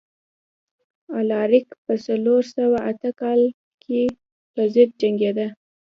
الاریک په څلور سوه اته کال کې پرضد جنګېده.